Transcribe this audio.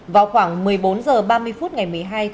vào khoảng một mươi bốn h ba mươi phút ngày một mươi hai tháng